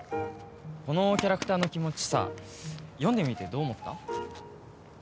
このキャラクターの気持ちさ読んでみてどう思った？